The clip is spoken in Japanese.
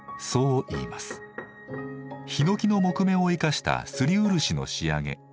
ヒノキの木目を生かした摺り漆の仕上げ。